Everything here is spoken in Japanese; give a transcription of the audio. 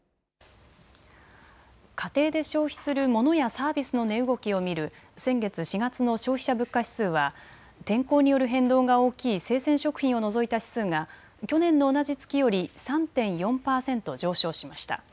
家庭で消費するモノやサービスの値動きを見る先月４月の消費者物価指数は天候による変動が大きい生鮮食品を除いた指数が去年の同じ月より３．４％上昇しました。